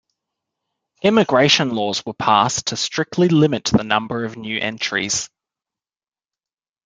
Immigration laws were passed to strictly limit the number of new entries.